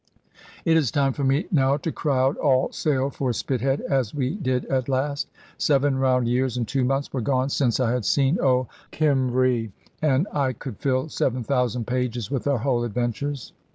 It is time for me now to crowd all sail for Spithead, as we did at last. Seven round years and two months were gone since I had seen old Cymru, and I could fill seven thousand pages with our whole adventures.